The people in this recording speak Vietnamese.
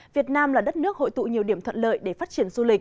việt nam là đất nước hội tụ nhiều điểm thuận lợi để phát triển